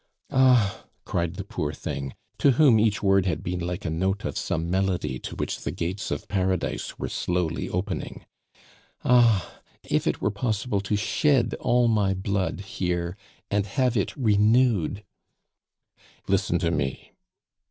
"Ah!" cried the poor thing, to whom each word had been like a note of some melody to which the gates of Paradise were slowly opening. "Ah! if it were possible to shed all my blood here and have it renewed!" "Listen to me."